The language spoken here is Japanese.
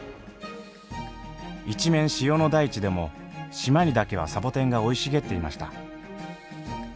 一面塩の大地でも島にだけはサボテンが生い茂っていました。